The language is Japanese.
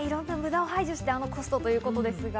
無駄を排除して、あのコストということです。